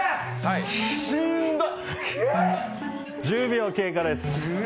１０秒経過です。